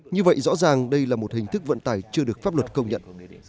như vậy rõ ràng đây là một hình thức vận tải chưa được pháp luật công nhận